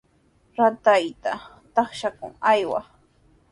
Ratayta taqshakuq aywaa.